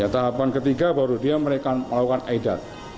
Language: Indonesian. tahapan ketiga baru dia melakukan aidat